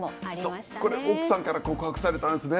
そうこれ奥さんから告白されたんすね。